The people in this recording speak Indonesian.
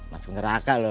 masuk neraka lo